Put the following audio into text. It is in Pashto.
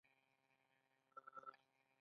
دوی د فیوډالانو اوسیدونکي له منځه یوړل.